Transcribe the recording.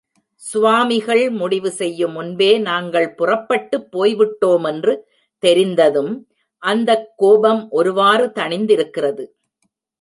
சுவாமிகள் முடிவு செய்யுமுன்பே நாங்கள் புறப்பட்டுப் போய்விட்டோமென்று தெரிந்ததும், அந்தக்கோபம் ஒருவாறு தணிந்திருக்கிறது.